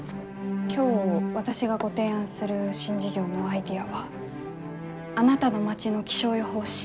今日私がご提案する新事業のアイデアは「あなたの町の気象予報士